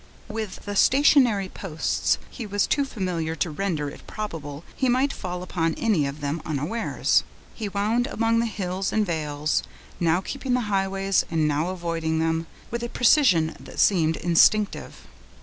With the stationary posts he was too familiar to render it probable he might fall upon any of them unawares. He wound among the hills and vales, now keeping the highways and now avoiding them, with a precision that seemed instinctive.